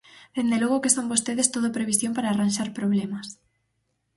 Dende logo que son vostedes todo previsión para arranxar problemas.